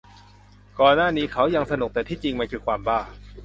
ก่อนหน้านี้เขายังสนุก แต่ที่จริงมันคือความบ้า